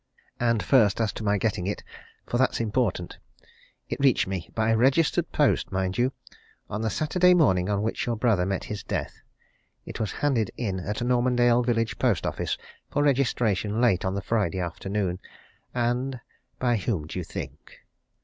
And first as to my getting it, for that's important. It reached me, by registered post, mind you, on the Saturday morning on which your brother met his death. It was handed in at Normandale village post office for registration late on the Friday afternoon. And by whom do you think?"